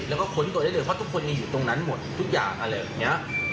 แล้วก็ค้นตัวได้เลยเพราะทุกคนมีอยู่ตรงนั้นหมดทุกอย่างอะไรแบบนี้